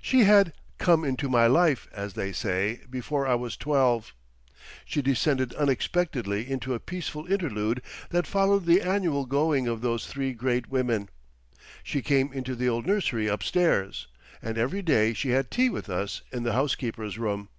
She had "come into my life," as they say, before I was twelve. She descended unexpectedly into a peaceful interlude that followed the annual going of those Three Great Women. She came into the old nursery upstairs, and every day she had tea with us in the housekeeper's room.